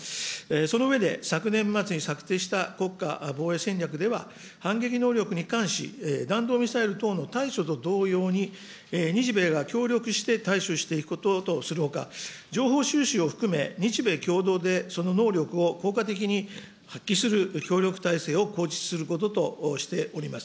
その上で、昨年末に策定した国家防衛戦略では、反撃能力に関し、弾道ミサイル等の対処と同様に、日米が協力して対処していくこととするほか、情報収集を含め、日米共同でその能力を効果的に発揮する協力体制を構築することとしております。